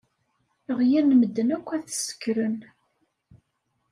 Ɣyen medden akk ad t-sekren.